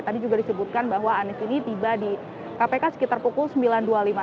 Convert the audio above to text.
tadi juga disebutkan bahwa anies ini tiba di kpk sekitar pukul sembilan dua puluh lima